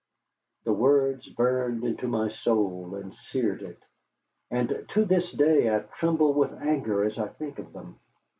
The words burned into my soul and seared it. And to this day I tremble with anger as I think of them.